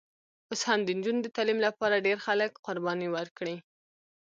اوس هم د نجونو د تعلیم لپاره ډېر خلک قربانۍ ورکړي.